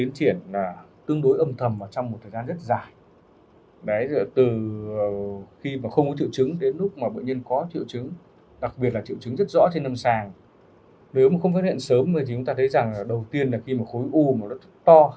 nếu mà không phát hiện sớm thì chúng ta thấy rằng đầu tiên là khi mà khối u mà nó rất to